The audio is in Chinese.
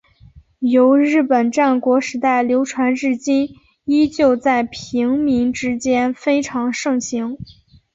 由日本战国时代流传至今依旧在平民之间非常盛行。